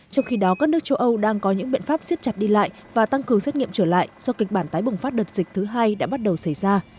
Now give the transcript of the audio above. trong khi đó các nước châu âu đang có những biện pháp siết chặt đi lại và tăng cường xét nghiệm trở lại do kịch bản tái bùng phát đợt dịch thứ hai đã bắt đầu xảy ra